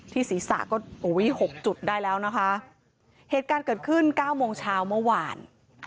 ศีรษะก็อุ้ยหกจุดได้แล้วนะคะเหตุการณ์เกิดขึ้นเก้าโมงเช้าเมื่อวาน